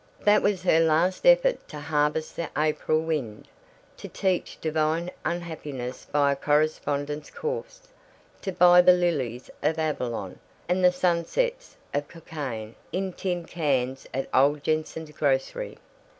That was her last effort to harvest the April wind, to teach divine unhappiness by a correspondence course, to buy the lilies of Avalon and the sunsets of Cockaigne in tin cans at Ole Jenson's Grocery.